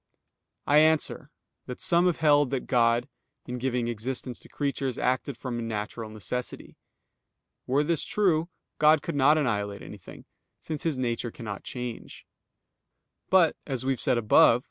I answer that, Some have held that God, in giving existence to creatures, acted from natural necessity. Were this true, God could not annihilate anything, since His nature cannot change. But, as we have said above (Q.